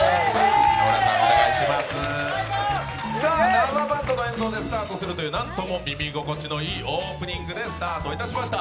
生バンドの演奏でスタートするというなんとも耳心地のいいオープニングでスタートしました。